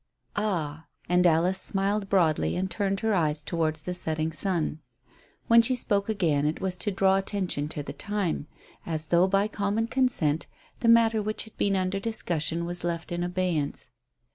"Ah!" And Alice smiled broadly and turned her eyes towards the setting sun. When she spoke again it was to draw attention to the time. As though by common consent the matter which had been under discussion was left in abeyance.